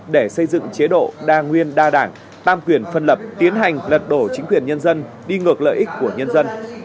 để xây dựng chế độ đa nguyên đa đảng tam quyền phân lập tiến hành lật đổ chính quyền nhân dân đi ngược lợi ích của nhân dân